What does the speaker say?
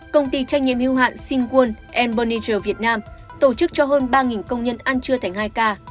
công ty trách nhiệm hưu hạn sinh quân burnager việt nam tổ chức cho hơn ba công nhân ăn trưa thành hai ca